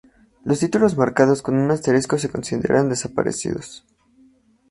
Los títulos marcados con un asterisco se consideran desaparecidos.